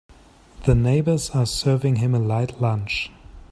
The neighbors are serving him a light lunch.